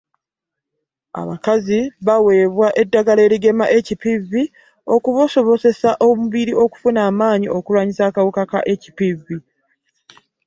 Abakazi baweebwa eddagala erigema HPV, okusobozesa omubiri okufuna amaanyi agalwanyisa akawuka ka HPV.